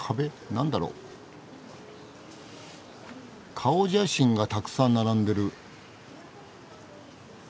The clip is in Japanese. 顔写真がたくさん並んでる。